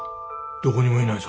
どこにもいないぞ。